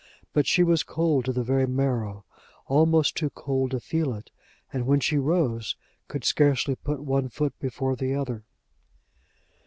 But she was cold to the very marrow, almost too cold to feel it; and, when she rose, could scarcely put one foot before the other.